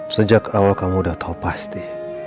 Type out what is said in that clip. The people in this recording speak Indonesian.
sejak awal kamu udah tahu pasti